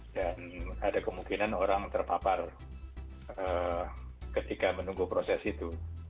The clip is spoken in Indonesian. dan ada kemungkinan orang terpapar ketika menunggu proses itu